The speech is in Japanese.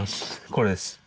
これです。